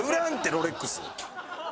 ロレックス。